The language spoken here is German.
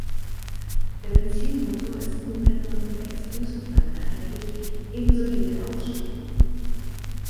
Der Benzinmotor ist nunmehr nur noch in der Exclusive-Line erhältlich, ebenso die Lederausstattung.